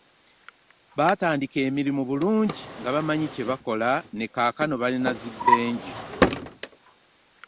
Baatandika emirimu bulungi nga bamanyi kye bakola ne kaakano balina zi Bengi.